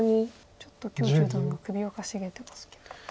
ちょっと許十段が首をかしげてますけど。